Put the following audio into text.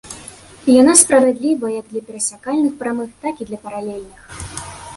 Яна справядлівая як для перасякальных прамых, так і для паралельных.